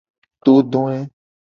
Todoe.